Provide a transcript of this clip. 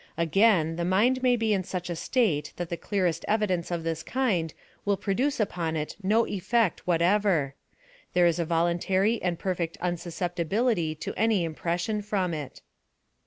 Again, the mind may be in such a state that the clearest evi dence of this kind will produce upon it no effect what ever. There is a voluntary and perfect unsusceptibility to any impression from it.